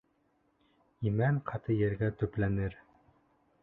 Имән ҡаты ергә төпләнер.